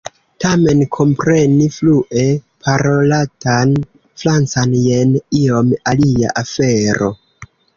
Tamen kompreni flue parolatan Francan jen iom alia afero.